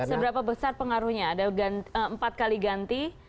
seberapa besar pengaruhnya ada empat kali ganti